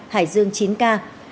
hải dương chín ca